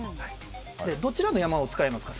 どちらの山を使いますか？